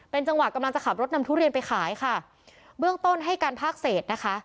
จังหวะกำลังจะขับรถนำทุเรียนไปขายค่ะเบื้องต้นให้การภาคเศษนะคะ